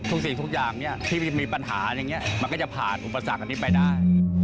สิ่งทุกอย่างที่มีปัญหาอย่างนี้มันก็จะผ่านอุปสรรคอันนี้ไปได้